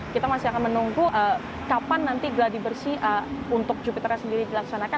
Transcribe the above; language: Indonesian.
kita masih akan menunggu kapan nanti geladi bersih untuk jupiternya sendiri dilaksanakan